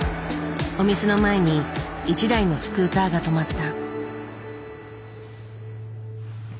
お店の前に一台のスクーターが止まった。